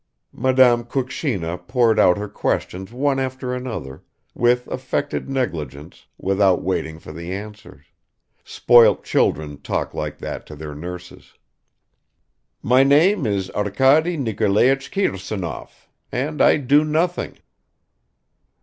Madame Kukshina poured out her questions one after another, with affected negligence, without waiting for the answers; spoilt children talk like that to their nurses. "My name is Arkady Nikolaich Kirsanov, and I do nothing."